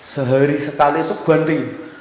sehari sekali itu ganti